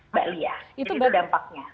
mbak lia itu dampaknya